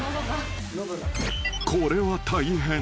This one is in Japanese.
［これは大変。